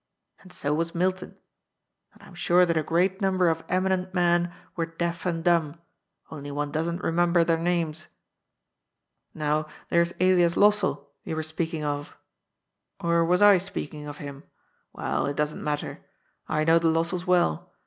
And so was Milton. And I'm sure that a great number of eminent men were deaf and dumb, only one doesn't remem ber their names. Now there's Elias Lossell, you were speaking of — or was I speaking of him ? Well, it doesn't matter — I know the Lossells well.